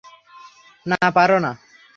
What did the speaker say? না, পার না।